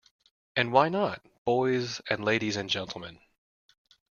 And why not, boys and ladies and gentlemen?